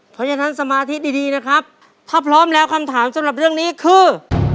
เพราะฉะนั้นสมาธิดีนะครับถ้าพร้อมแล้วคำถามสำหรับเรื่องนี้คือ